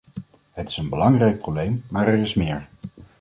Het is een belangrijk probleem, maar er is meer.